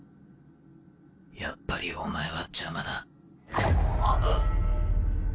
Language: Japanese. やっぱりお前は邪魔だ。っ！